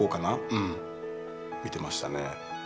うん見てましたね。